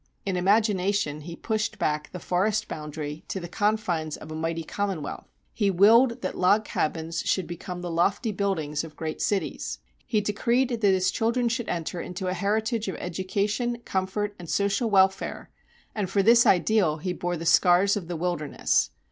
In imagination he pushed back the forest boundary to the confines of a mighty Commonwealth; he willed that log cabins should become the lofty buildings of great cities. He decreed that his children should enter into a heritage of education, comfort, and social welfare, and for this ideal he bore the scars of the wilderness.